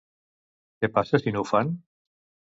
Què passa si no ho fan?